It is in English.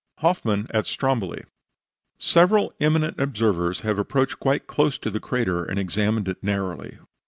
HOFFMAN AT STROMBOLI Several eminent observers have approached quite close to the crater, and examined it narrowly.